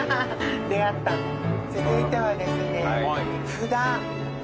続いてはですね。